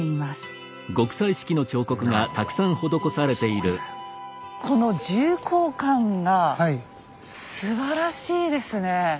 この重厚感がすばらしいですねえ。